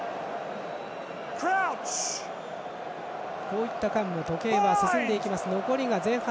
こういった間も時計は進んでいきます。